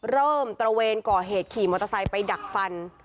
ตระเวนก่อเหตุขี่มอเตอร์ไซค์ไปดักฟัน